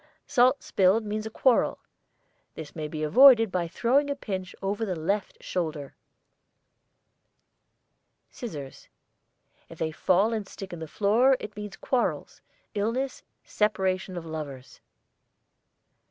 SALT spilled means a quarrel. This may be avoided by throwing a pinch over the left shoulder. SCISSORS. If they fall and stick in the floor it means quarrels, illness, separation of lovers.